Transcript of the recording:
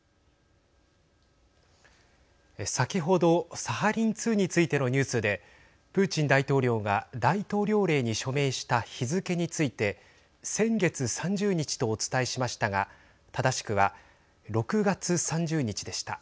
先ほどサハリン２についてのニュースでプーチン大統領が大統領令に署名した日付について先月３０日とお伝えしましたが正しくは、６月３０日でした。